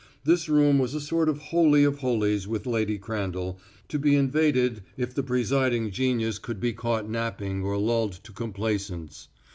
This room was a sort of holy of holies with Lady Crandall, to be invaded if the presiding genius could be caught napping or lulled to complaisance.